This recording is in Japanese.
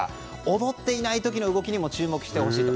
踊っていない時の動きにも注目してほしいと。